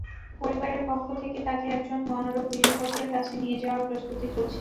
পরিবারের পক্ষ থেকে তাকে একজন মনোরোগ বিশেষজ্ঞের কাছে নিয়ে যাওয়ার প্রস্তুতি চলছে।